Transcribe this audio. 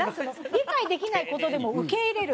理解できない事でも受け入れる。